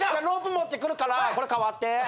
ロープ持ってくるからこれ代わって。